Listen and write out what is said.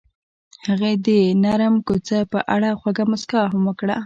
هغې د نرم کوڅه په اړه خوږه موسکا هم وکړه.